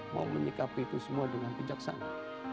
mau menyikapi itu semua dengan bijaksana